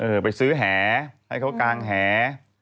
เออไปซื้อแห่ให้เขากางแห่